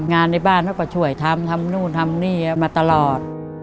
ในบ้านเขาก็ช่วยทำทำนู่นทำนี่มาตลอด